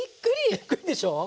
びっくりでしょう？